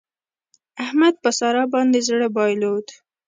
احمد په سارا باندې زړه بايلود.